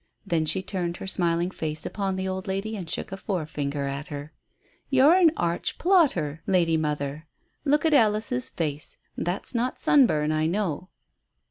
Then she turned her smiling face upon the old lady and shook a forefinger at her. "You're an arch plotter, lady mother. Look at Alice's face. That's not sunburn, I know."